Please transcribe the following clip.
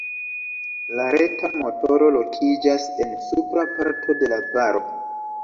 La reta motoro lokiĝas en supra parto de la baro.